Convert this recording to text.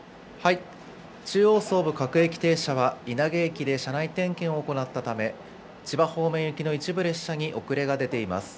中央・総武各駅停車は、稲毛駅で車内点検を行ったため、千葉方面行の一部列車に遅れが出ています。